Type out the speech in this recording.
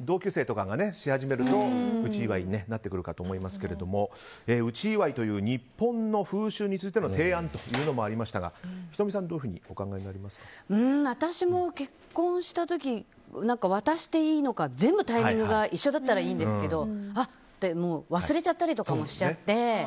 同級生とかがし始めると内祝いなってくるかと思いますが内祝いという日本の風習についての提案というのもありましたが仁美さん、どういうふうに私も結婚した時渡していいのか全部タイミングが一緒だったらいいんですけど忘れちゃったりとかもしちゃって。